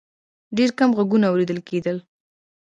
ډېر کم غږونه اورېدل کېدل.